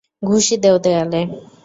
ঘুষি দেও, দেয়ালে।